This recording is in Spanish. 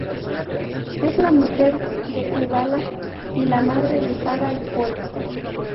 Es la mujer de Kubala y la madre de Sara y Pol.